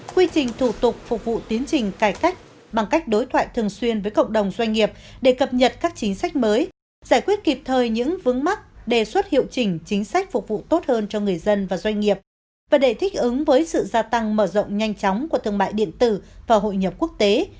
quy trình thủ tục phục vụ tiến trình cải cách bằng cách đối thoại thường xuyên với cộng đồng doanh nghiệp để cập nhật các chính sách mới giải quyết kịp thời những vướng mắc đề xuất hiệu chỉnh chính sách phục vụ tốt hơn cho người dân và doanh nghiệp và để thích ứng với sự gia tăng mở rộng nhanh chóng của thương mại điện tử và hội nhập quốc tế